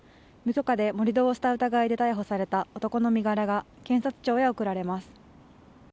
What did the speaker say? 無許可で盛り土をした疑いで逮捕された男の身柄が検察庁へ送られます。